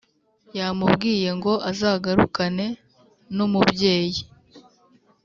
yamubwiye ngo azagarukane nu umubyeyi